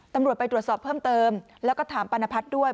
ตำรวจไปตรวจสอบเพิ่มเติมแล้วก็ถามปานพัฒน์ด้วย